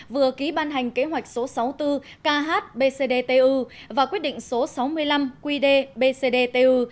vừa ký ban hành kế hoạch số sáu mươi bốn khbcdtu và quyết định số sáu mươi năm qdbcdtu